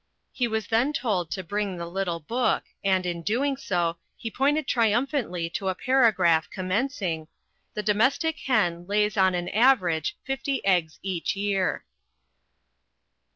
He was then told to bring the little book, and, on doing so, he pointed triumphantly to a paragraph commencing, "The domestic hen lays on an average fifty eggs each year."